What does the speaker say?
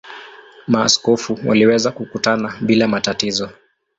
Maaskofu waliweza kukutana bila matatizo.